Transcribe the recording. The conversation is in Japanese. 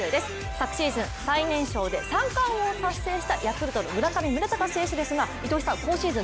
昨シーズン、最年少で三冠王を達成したヤクルトの村上宗隆選手ですが糸井さん、今シーズン